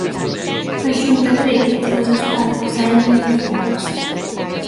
A Xunta cre que todas as partes saen beneficiadas.